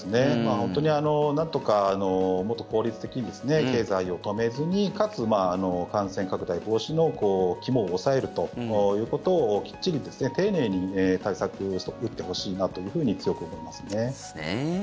本当に、なんとかもっと効率的に経済を止めずにかつ、感染拡大防止の肝を押さえるということをきっちり、丁寧に対策を打ってほしいなというふうに強く思いますね。